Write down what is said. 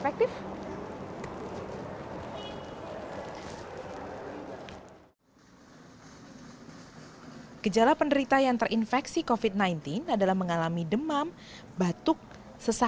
kita periksa mbak ya